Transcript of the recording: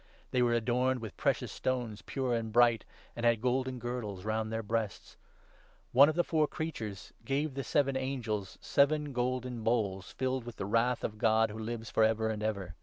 They were adorned with precious stones, pure and bright, and had golden girdles round their breasts. One of the four Creatures gave the seven 7 angels seven golden bowls, filled with the Wrath of God who lives for ever and ever.